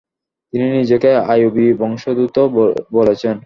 তিনি নিজেকে আইয়ুবী বংশোদ্ভূত বলেছেন।